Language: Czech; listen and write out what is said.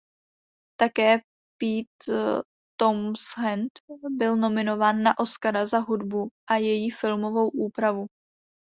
Také Pete Townshend byl nominován na Oscara za hudbu a její filmovou úpravu.